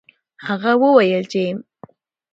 هغه وویل چې